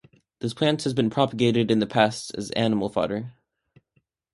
This plant has been propagated in the past as animal fodder.